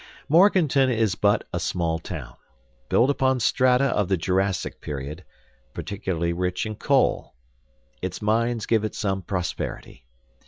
Morganton is but a small town, built upon strata of the jurassic period, particularly rich in coal. Its mines give it some prosperity.